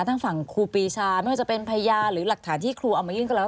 ทั้งฝั่งครูปีชาไม่ว่าจะเป็นพยานหรือหลักฐานที่ครูเอามายื่นก็แล้ว